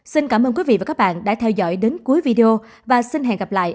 xin cảm ơn quý vị và các bạn đã theo dõi đến cuối video và xin hẹn gặp lại